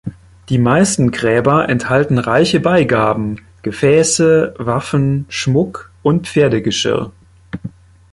Die meisten Gräber enthalten reiche Beigaben, Gefäße, Waffen, Schmuck und Pferdegeschirr.